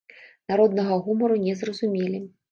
Народнага гумару не зразумелі.